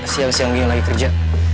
siang siang dia lagi kerja